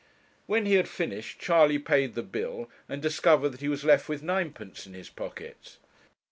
When he had finished, Charley paid the bill and discovered that he was left with ninepence in his pocket.